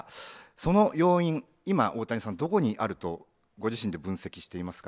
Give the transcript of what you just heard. その要因、今、大谷さん、どこにあるとご自身で分析していますか。